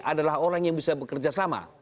adalah orang yang bisa bekerja sama